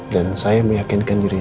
dan saya meyakinkan diri saya